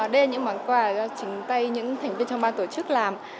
đây là những món quà do chính tay những thành viên trong ban tổ chức làm